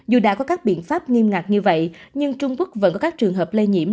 dù đã có các biện pháp nghiêm ngặt như vậy nhưng trung quốc vẫn có các trường hợp lây nhiễm